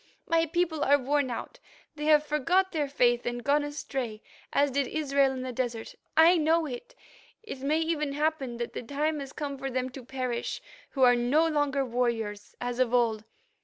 My people are worn out; they have forgot their faith and gone astray, as did Israel in the desert. I know it. It may even happen that the time has come for them to perish, who are no longer warriors, as of old.